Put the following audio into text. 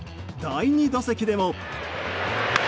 第２打席でも。